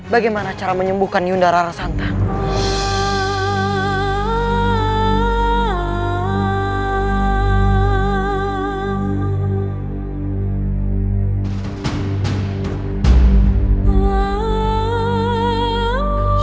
bagaimana cara menyembuhkan yudhkara santas